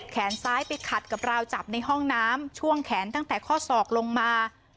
แขนซ้ายไปขัดกับราวจับในห้องน้ำช่วงแขนตั้งแต่ข้อศอกลงมา